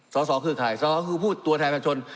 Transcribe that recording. สอสอคือใครสอสอคือผู้ตัวแทนชน